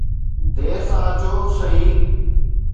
دير سان اچو صحيح.